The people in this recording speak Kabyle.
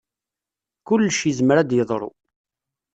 Kullec yezmer ad yeḍru.